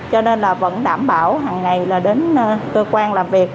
cho nên là vẫn đảm bảo hằng ngày là đến cơ quan làm việc